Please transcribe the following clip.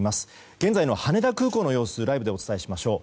現在の羽田空港の様子ライブでお伝えしましょう。